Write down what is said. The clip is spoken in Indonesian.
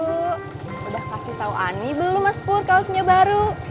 udah kasih tau ani belum mas pur kausnya baru